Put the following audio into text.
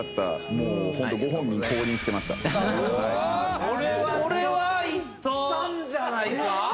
もう本当、これはいったんじゃないか？